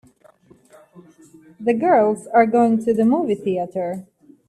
The girls are going to the movie theater.